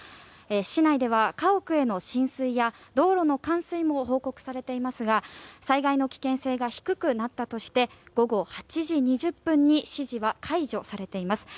市内では家屋への浸水や道路の冠水も報告されていますが災害の危険性が低くなったとして午後８時２０分に指示は解除されています。